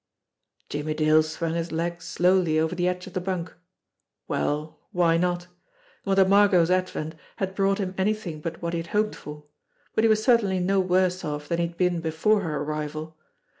Jimmie Dale swung his leg slowly over the edge of the bunk. Well, why not? Mother Margot's advent had brought him anything but what he had hoped for, but he was certainly no worse off than he had been before her arrival.